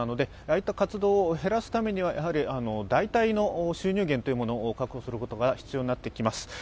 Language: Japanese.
あいった活動を減らすためにはやはり代替の収入源を確保することが必要になってきます。